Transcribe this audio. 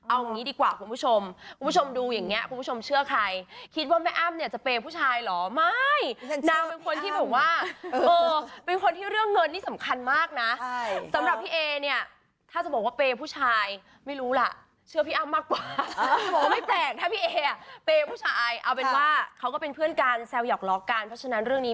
เอางี้ดีกว่าคุณผู้ชมคุณผู้ชมดูอย่างเงี้คุณผู้ชมเชื่อใครคิดว่าแม่อ้ำเนี่ยจะเปย์ผู้ชายเหรอไม่นางเป็นคนที่แบบว่าเออเป็นคนที่เรื่องเงินนี่สำคัญมากนะสำหรับพี่เอเนี่ยถ้าจะบอกว่าเปย์ผู้ชายไม่รู้ล่ะเชื่อพี่อ้ำมากกว่าโอ้ไม่แปลกถ้าพี่เออ่ะเปย์ผู้ชายเอาเป็นว่าเขาก็เป็นเพื่อนกันแซวหยอกล้อกันเพราะฉะนั้นเรื่องนี้